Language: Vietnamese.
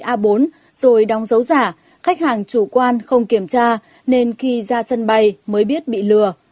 a bốn rồi đóng dấu giả khách hàng chủ quan không kiểm tra nên khi ra sân bay mới biết bị lừa